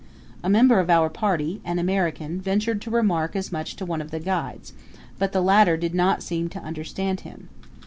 A member of our party, an American, ventured to remark as much to one of the guides; but the latter did not seem to understand him.